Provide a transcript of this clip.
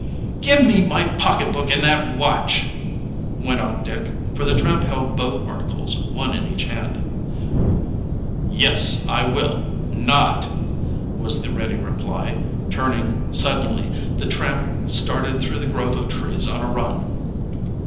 "Give me my pocketbook and that watch!" went on Dick, for the tramp held both articles, one in each hand. "Yes, I will not," was the ready reply, turning, suddenly, the tramp started through the grove of trees on a run.